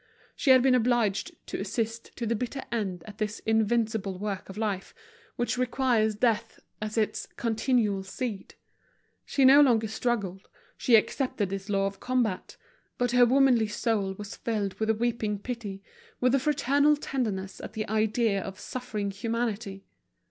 She had been obliged to assist to the bitter end at this invincible work of life which requires death as its continual seed. She no longer struggled, she accepted this law of combat; but her womanly soul was filled with a weeping pity, with a fraternal tenderness at the idea of suffering humanity.